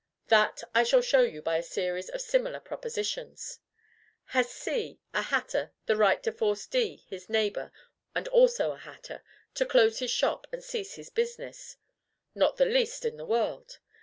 That I shall show you by a series of similar propositions. Has C, a hatter, the right to force D, his neighbor and also a hatter, to close his shop, and cease his business? Not the least in the world.